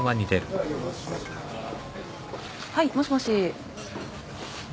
はいもしもし。